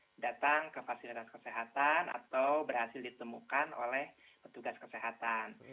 itu adalah kemungkinan kefasilitas kesehatan atau berhasil ditemukan oleh petugas kesehatan